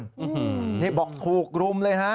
อืมนี่บอกถูกรุมเลยฮะ